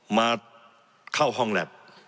มาเข้าห้องแล็บ